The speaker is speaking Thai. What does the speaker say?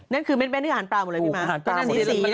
นั่นคือเม้นที่อาหารปลาหมดเลยพี่ม้า